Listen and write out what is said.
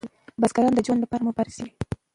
بزګران د ژوند لپاره مبارزه کوي.